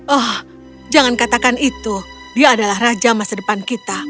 oh jangan katakan itu dia adalah raja masa depan kita